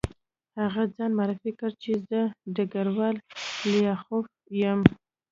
هغه ځان معرفي کړ چې زه ډګروال لیاخوف یم